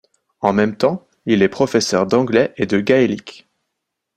En même temps, il est professeur d'anglais et de gaélique.